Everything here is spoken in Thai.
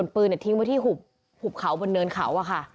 ปืนทิ้งไว้ที่หุบเขาบนเนินเขา